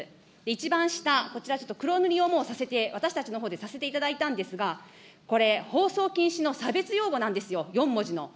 一番下、こちらちょっと、黒塗りをもうさせて、私たちのほうでさせていただいたんですが、これ、放送禁止の差別用語なんですよ、４文字の。